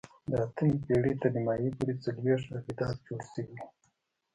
د اتمې پېړۍ تر نیمايي پورې څلوېښت ابدات جوړ شوي وو.